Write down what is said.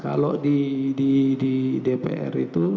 kalau di dpr itu